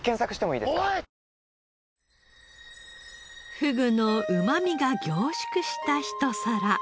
ふぐのうまみが凝縮した一皿。